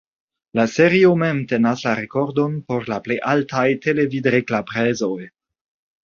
La serio mem tenas la rekordon por "la plej altaj televidreklamprezoj".